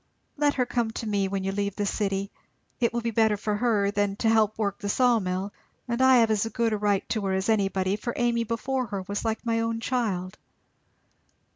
Let her come to me when you leave the city it will be better for her than to help work the saw mill; and I have as good a right to her as anybody, for Amy before her was like my own child."